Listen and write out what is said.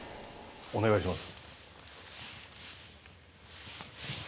お願いします。